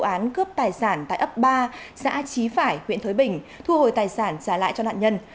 cơ quan cảnh sát điều tra công an huyện thới bình vừa phá nhanh vụ án cướp tài sản tại ấp ba xã trí phải huyện thới bình thu hồi tài sản trả lại cho đạn nhân